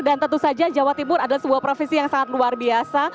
dan tentu saja jawa timur adalah sebuah provinsi yang sangat luar biasa